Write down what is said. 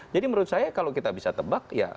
jadi menurut saya kalau kita bisa tebak